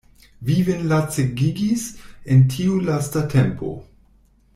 Vi vin lacegigis en tiu lasta tempo.